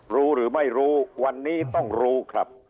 รู้หรือไม่รู้วันนี้ต้องรู้ครับ